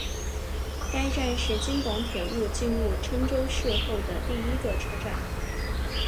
该站是京广铁路进入郴州市后的第一个车站。